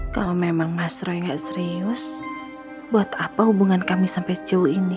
kalau memang mas roy nggak serius buat apa hubungan kami sampai sejauh ini